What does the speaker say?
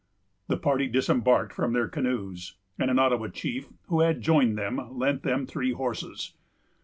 The party disembarked from their canoes; and an Ottawa chief, who had joined them, lent them three horses.